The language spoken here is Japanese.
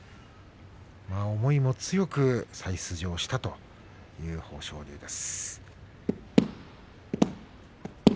思いを強く、再出場したという豊昇龍です。